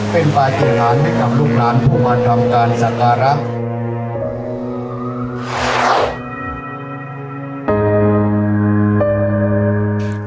เป็นประจิตร้านให้กับลูกร้านผู้มันทำการศักรรม